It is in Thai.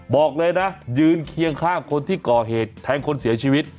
บอกเลยนะยืนเคียงข้างคนที่ก่อเหตุแทงคนเสียชีวิต